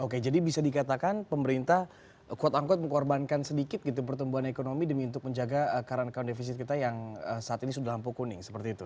oke jadi bisa dikatakan pemerintah quote unquote mengkorbankan sedikit gitu pertumbuhan ekonomi demi untuk menjaga current account deficit kita yang saat ini sudah lampu kuning seperti itu